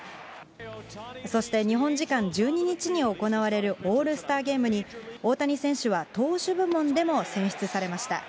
そして、日本時間１２日に行われるオールスターゲームに、大谷選手は投手部門でも選出されました。